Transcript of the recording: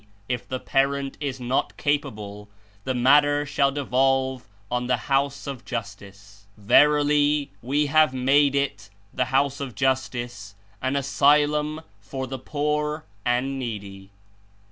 if the parent is not capable) the matter shall devolve on the House of Justice. Verily, We have made it (the House of Justice) an asvlum for the poor and needy."